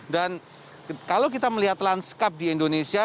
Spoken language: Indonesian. dan kalau kita melihat lanskap di indonesia